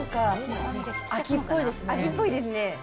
秋っぽいですね。